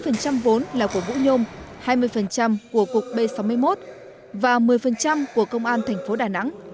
nâng vốn là của vũ nhôm hai mươi của cục b sáu mươi một và một mươi của công an tp đà nẵng